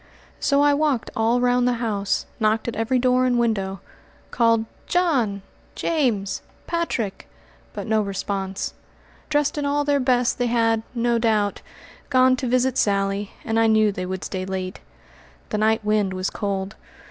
So I walked all round the house, knocked at every door and window, called "John!" "James!" "Patrick!" but no response. Dressed in all their best, they had, no doubt, gone to visit Sally, and I knew they would stay late. The night wind was cold.